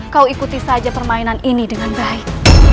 kau ikuti saja permainan ini dengan baik